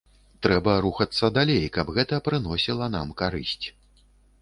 Трэба рухацца далей, каб гэта прыносіла нам карысць.